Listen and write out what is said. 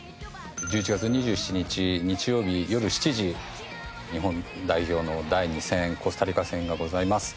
１１月２７日日曜日よる７時日本代表の第２戦コスタリカ戦がございます。